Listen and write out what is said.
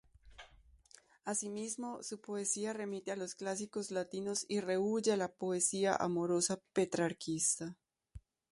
Asimismo, su poesía remite a los clásicos latinos y rehúye la poesía amorosa petrarquista.